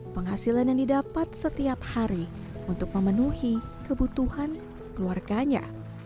penghasilan yang didapat setiap hari untuk memenuhi kebutuhan keluarganya